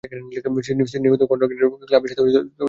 সিডনির Gordon grade cricket ক্লাবের সাথেও জড়িত রয়েছেন।